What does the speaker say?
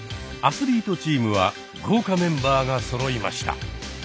アスリートチームは豪華メンバーがそろいました。